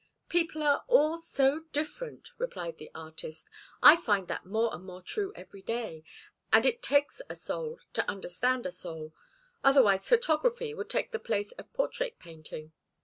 "People are all so different," replied the artist. "I find that more and more true every day. And it takes a soul to understand a soul. Otherwise photography would take the place of portrait painting."